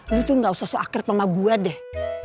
lu tuh gak usah so akrek sama gue deh